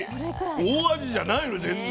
大味じゃないの全然。